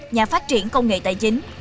nhà phát triển công nghệ tài chính